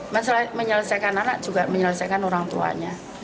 menyelesaikan anak juga menyelesaikan orang tuanya